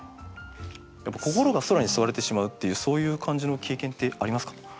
心が空に吸われてしまうっていうそういう感じの経験ってありますか？